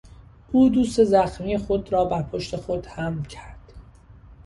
او دوست زخمی خود را بر پشت خود حمل کرد.